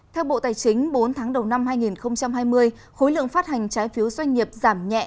theo bộ tài chính bốn tháng đầu năm hai nghìn hai mươi khối lượng phát hành trái phiếu doanh nghiệp giảm nhẹ